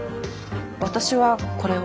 私はこれを。